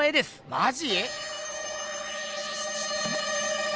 マジ？